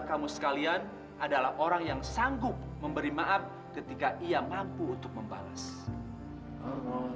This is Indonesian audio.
kamu sekalian adalah orang yang sanggup memberi maaf ketika tiga mohon untuk membalas allah